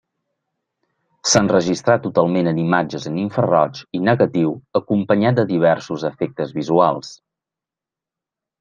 S'enregistrà totalment en imatges en infraroig i negatiu acompanyat de diversos efectes visuals.